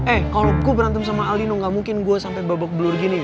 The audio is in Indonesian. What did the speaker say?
eh kalau ku berantem sama aldino gak mungkin gue sampai babak belur gini